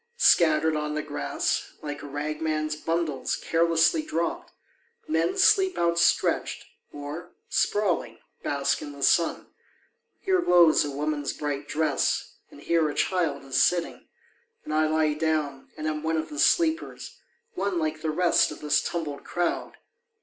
Scattered on the grass, like a ragman's bundles carelessly dropped, Men sleep outstretched or, sprawling, bask in the sun ; Here glows a woman's bright dress and here a child is sitting, And I lie down and am one of the sleepers, one Like the rest of this tumbled crowd.